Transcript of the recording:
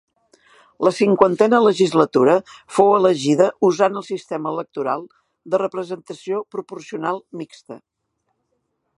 La cinquantena legislatura fou elegida usant el sistema electoral de representació proporcional mixta.